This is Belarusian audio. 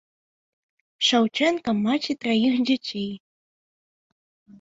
Шаўчэнка маці траіх дзяцей.